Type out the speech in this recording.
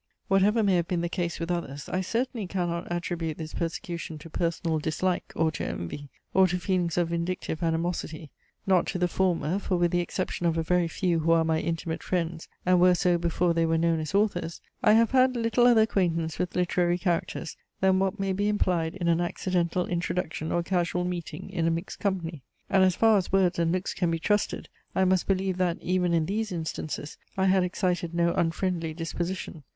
Whatever may have been the case with others, I certainly cannot attribute this persecution to personal dislike, or to envy, or to feelings of vindictive animosity. Not to the former, for with the exception of a very few who are my intimate friends, and were so before they were known as authors, I have had little other acquaintance with literary characters, than what may be implied in an accidental introduction, or casual meeting in a mixed company. And as far as words and looks can be trusted, I must believe that, even in these instances, I had excited no unfriendly disposition.